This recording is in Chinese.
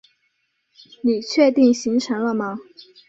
你确定行程了吗？